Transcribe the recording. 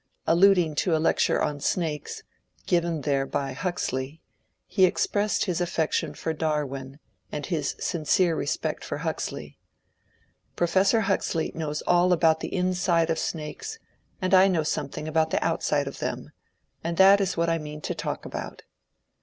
Alluding to a lecture on snakes, given there by Hux ley, he expressed his affection for Darwin and his sincere respect for Huxley. '^ Professor Huxley knows all about the inside of snakes and I know something about the outside of them, and that is what I mean to talk about."